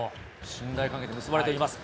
信頼関係で結ばれています。